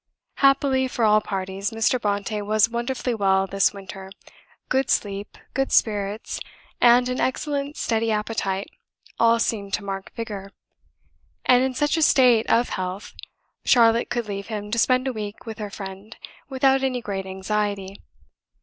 Happily for all parties, Mr. Brontë was wonderfully well this winter; good sleep, good spirits, and an excellent steady appetite, all seemed to mark vigour; and in such a state of health, Charlotte could leave him to spend a week with her friend, without any great anxiety.